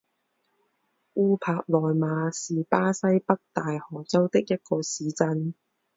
乌帕内马是巴西北大河州的一个市镇。